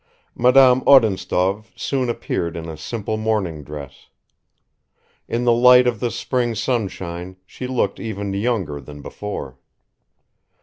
Madame Odintsov soon appeared in a simple morning dress. In the light of the spring sunshine she looked even younger than before.